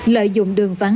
lợi dụng đường vắng